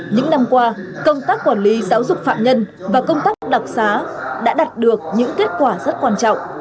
những năm qua công tác quản lý giáo dục phạm nhân và công tác đặc xá đã đạt được những kết quả rất quan trọng